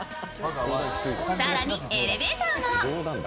更に、エレベーターも。